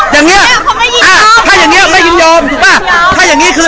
อย่างเงี้ยถ้าอย่างเงี้ไม่ยินยอมถูกป่ะถ้าอย่างงี้คือ